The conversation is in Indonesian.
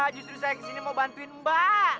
justru saya kesini mau bantuin mbak